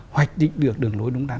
hoạch định được đường lối đúng đắn